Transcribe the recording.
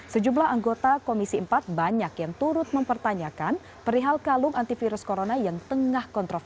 sejumlah anggota komisi empat banyak yang turut mempertanyakan perihal kalung antivirus corona